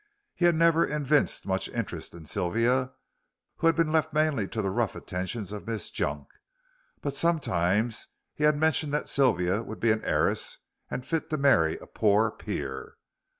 He had never evinced much interest in Sylvia, who had been left mainly to the rough attentions of Miss Junk, but sometimes he had mentioned that Sylvia would be an heiress and fit to marry a poor peer.